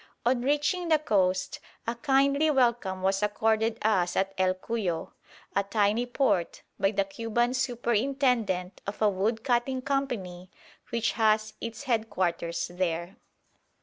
On reaching the coast a kindly welcome was accorded us at El Cuyo, a tiny port, by the Cuban superintendent of a wood cutting company which has its headquarters there.